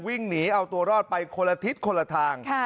วิ่งหนีเอาตัวรอดไปคนละทิศคนละทาง